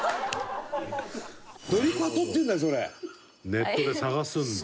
ネットで探すんだ。